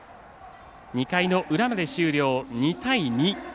２回の裏まで終了、２対２。